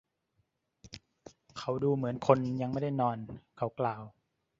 “เขาดูเหมือนคนยังไม่ได้นอน” เขากล่าว